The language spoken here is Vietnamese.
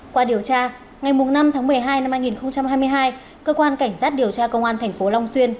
qua điều tra ngày năm tháng một mươi hai năm hai nghìn hai mươi hai cơ quan cảnh sát điều tra công an thành phố long xuyên